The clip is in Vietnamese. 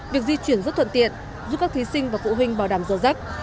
việc di chuyển rất thuận tiện giúp các thí sinh và phụ huynh bảo đảm giờ giấc